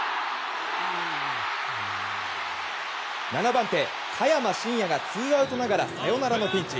７番手、嘉弥真新也がツーアウトながらサヨナラのピンチ。